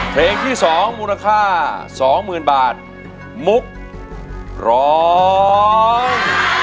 เพลงที่๒มูลค่าสองหมื่นบาทมุกร้อง